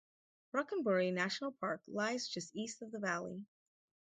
Rohkunborri National Park lies just east of the valley.